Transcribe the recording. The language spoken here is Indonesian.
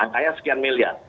angkanya sekian miliar